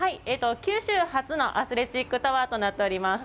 九州初のアスレチックタワーとなっております。